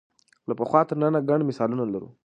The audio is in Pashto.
له پخوا تر ننه ګڼ مثالونه لرو